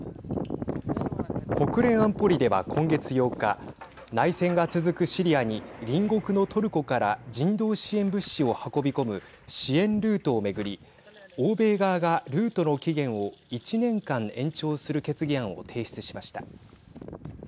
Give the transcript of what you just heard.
国連安保理では今月８日内戦が続くシリアに隣国のトルコから人道支援物資を運び込む支援ルートを巡り欧米側が、ルートの期限を１年間延長する決議案を提出しました。